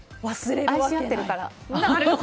愛し合ってるから。